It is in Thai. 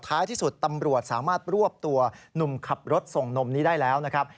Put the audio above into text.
ท้ายที่สุดตำรวจสามารถรวบตัวหนุ่มขับรถส่งนมนี้ได้แล้วนะครับ